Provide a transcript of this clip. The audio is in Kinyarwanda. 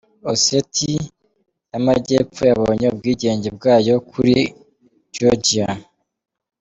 Ossetia y’amajyepfo yabonye ubwigenge bwayo kuri Georgia.